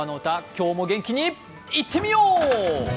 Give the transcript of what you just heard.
今日も元気にいってみよう。